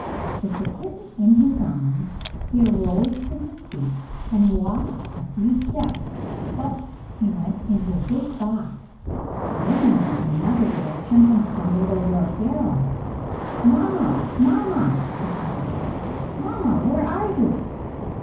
With the kitten in his arms he arose to his feet and walked a few steps. Bump! he went into a big box. Then he went in another direction and stumbled over a barrel. "Mamma! Mamma!" he cried out. "Mamma, where are you?"